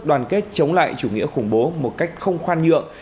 đoàn kết chống lại chủ nghĩa khủng bố một cách không khoan nhượng